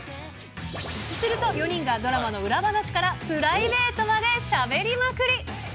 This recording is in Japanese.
すると、４人がドラマの裏話からプライベートまでしゃべりまくり。